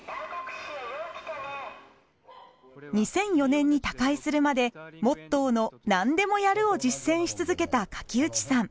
２００４年に他界するまでモットーの「なんでもやる」を実践し続けた垣内さん。